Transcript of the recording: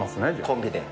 コンビで？